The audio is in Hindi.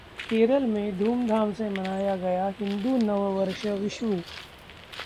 केरल में धूमधाम से मनाया गया हिंदू नववर्ष 'विषु'